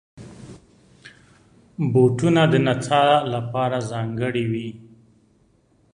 بوټونه د نڅا لپاره ځانګړي وي.